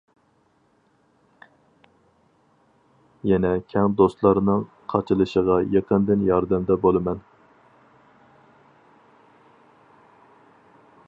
يەنە كەڭ دوستلارنىڭ قاچىلىشىغا يېقىندىن ياردەمدە بولىمەن.